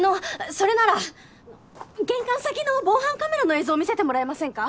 それなら玄関先の防犯カメラの映像を見せてもらえませんか？